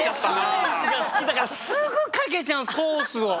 ソースが好きだからすぐかけちゃうソースを。